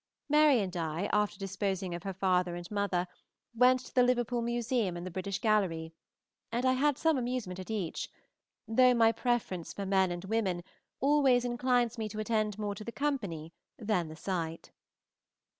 Mary and I, after disposing of her father and mother, went to the Liverpool Museum and the British Gallery, and I had some amusement at each, though my preference for men and women always inclines me to attend more to the company than the sight.